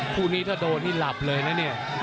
คู่นี้ถ้าโดนนี่หลับเลยนะเนี่ย